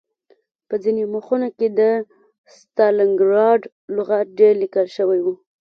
په ځینو مخونو کې د ستالنګراډ لغت ډېر لیکل شوی و